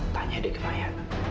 tanya deh ke maya